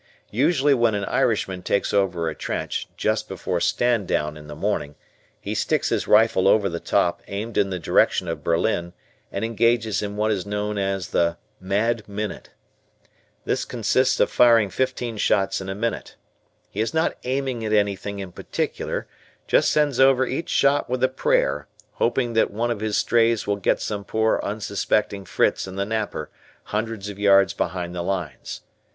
Usually when an Irishman takes over a trench, just before "stand down" in the morning, he sticks his rifle over the top aimed in the direction of Berlin and engages in what is known as the "mad minute." This consists of firing fifteen shots in a minute. He is not aiming at anything in particular, just sends over each shot with a prayer, hoping that one of his strays will get some poor unsuspecting Fritz in the napper hundreds of yards behind the lines.